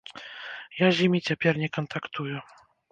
Я з імі цяпер не кантактую.